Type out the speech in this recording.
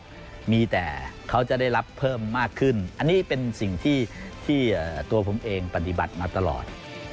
ก็มีแต่เขาจะได้รับเพิ่มมากขึ้นอันนี้เป็นสิ่งที่ตัวผมเองปฏิบัติมาตลอด